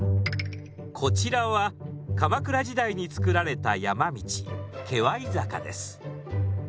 こちらは鎌倉時代に作られた山道化粧坂です。